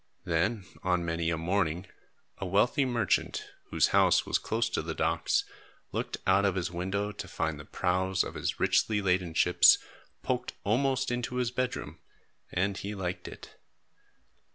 Then, on many a morning, a wealthy merchant, whose house was close to the docks, looked out of his window to find the prows, of his richly laden ships, poked almost into his bedroom, and he liked it.